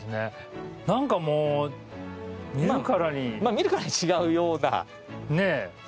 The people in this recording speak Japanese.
見るからに違うような。